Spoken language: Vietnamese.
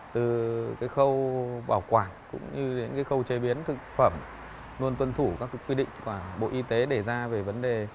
từ cái khâu bảo quản cũng như đến khâu chế biến thực phẩm luôn tuân thủ các quy định của bộ y tế để ra về vấn đề